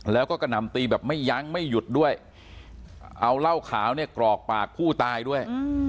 แล้วก็กระหน่ำตีแบบไม่ยั้งไม่หยุดด้วยเอาเหล้าขาวเนี่ยกรอกปากผู้ตายด้วย